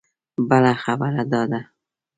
بله خبره دا ده.